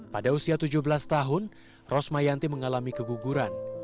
pada usia tujuh belas tahun rosmayanti mengalami keguguran